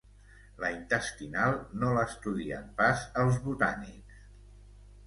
La intestinal no l'estudien pas els botànics.